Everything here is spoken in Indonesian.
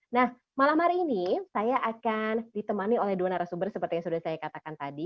nah malam hari ini saya akan ditemani oleh dua narasumber seperti yang sudah saya katakan tadi